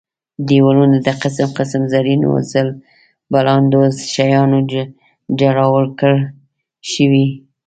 دېوالونه د قسم قسم زرینو ځل بلاندو شیانو جړاو کړل شوي نه وو.